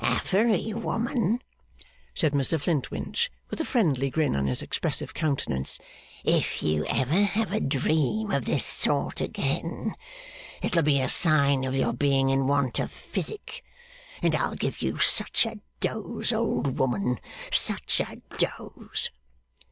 Affery, woman,' said Mr Flintwinch, with a friendly grin on his expressive countenance, 'if you ever have a dream of this sort again, it'll be a sign of your being in want of physic. And I'll give you such a dose, old woman such a dose!